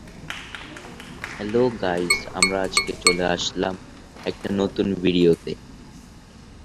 পরবর্তীতে 'শংকর' নামেই দেশের শ্রমজীবী মানুষের কাছে ব্যাপক পরিচিতি।